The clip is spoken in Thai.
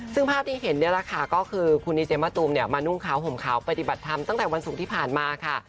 ซึ่งภาพที่เห็นนี่แหละค่ะก็คือคุณดีเจมะตูมเนี่ยมานุ่งขาวห่มขาวปฏิบัติธรรมตั้งแต่วันศุกร์ที่ผ่านมาค่ะ